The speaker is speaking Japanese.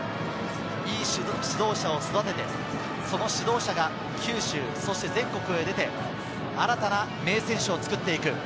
いい指導者を育てて、その指導者が九州、そして全国へ出て、新たな名選手を作っていく。